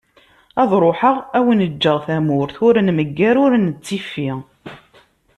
Ad ruḥeγ ad awen-ğğeγ tamurt ur nmegger ur nettifi.